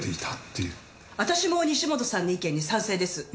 私も西本さんの意見に賛成です。